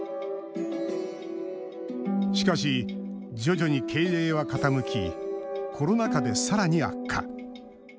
しかし、徐々に経営は傾きコロナ禍で、さらに悪化。